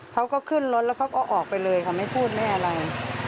เขาก็ขึ้นรถแล้วเขาก็ออกไปเลยค่ะไม่พูดไม่อะไร